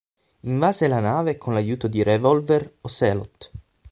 Invase la nave con l'aiuto di Revolver Ocelot.